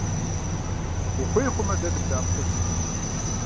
Ухуей хъумэ, дэ дыбдэӀэпыкъунщ.